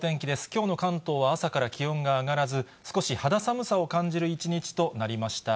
きょうの関東は朝から気温が上がらず、少し肌寒さを感じる一日となりました。